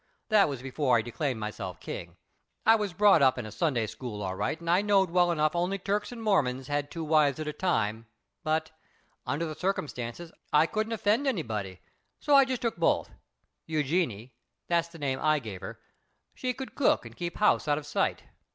That was before I declaimed myself King. I was brought up in Sunday school all right and I knowed well only Turks and Mormons had two wives at a time. But, under the circumstances, I couldn't offend anybody, so I just took both. Eugenie that's the name I give her she could cook and keep house out of sight.